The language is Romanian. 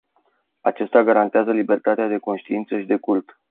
Acesta garantează libertatea de conștiință și de cult.